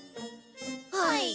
はい。